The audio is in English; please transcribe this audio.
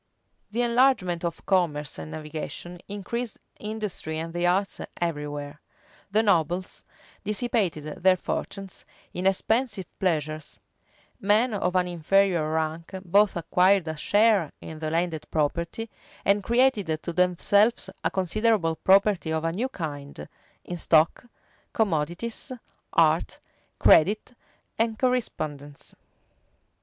The enlargement of commerce and navigation increased industry and the arts every where; the nobles dissipated their fortunes in expensive pleasures: men of an inferior rank both acquired a share in the landed property, and created to themselves a considerable property of a new kind, in stock, commodities, art, credit, and correspondence.